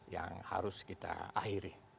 yang harus kita akhiri